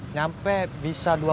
nyampe bisa dua puluh juta